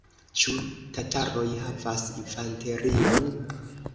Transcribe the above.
Ĉu tataroj havas infanterion?